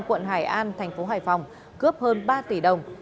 quận hải an tp hải phòng cướp hơn ba tỷ đồng